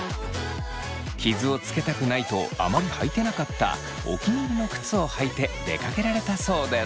傷をつけたくないとあまり履いていなかったお気に入りの靴を履いて出かけられたそうです。